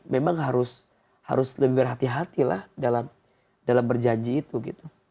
memang harus lebih berhati hatilah dalam berjanji itu gitu